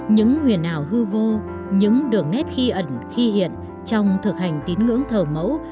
những huyền ảo hư vô những đường nét ghi ẩn ghi hiện trong thực hành tín ngưỡng thở mẫu